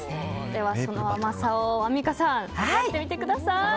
では、その甘さをアンミカさん試してみてください。